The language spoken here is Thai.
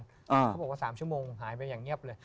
เขาบอกว่า๓ชั่วโมงหายไปอย่างเงียบเลย